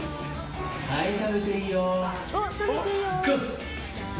はい、食べていいよ。